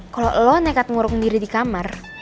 kalo lo nekat nguruk sendiri di kamar